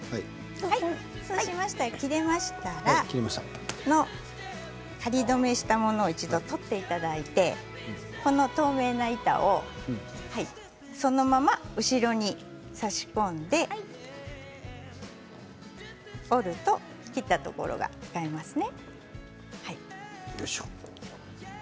切れましたら仮留めしたものを一度取っていただいて透明な板をそのまま後ろに挿し込んで折ると切ったところが消えますね。